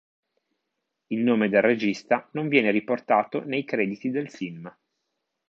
Il nome del regista non viene riportato nei crediti del film.